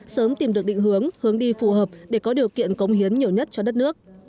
sớm tìm được định hướng hướng đi phù hợp để có điều kiện cống hiến nhiều nhất cho đất nước